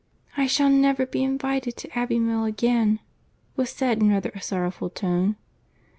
"I shall never be invited to Abbey Mill again," was said in rather a sorrowful tone.